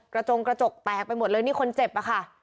จงกระจกแตกไปหมดเลยนี่คนเจ็บอะค่ะ